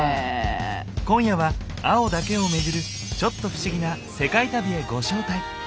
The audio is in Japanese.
今夜は「青」だけをめぐるちょっと不思議な世界旅へご招待。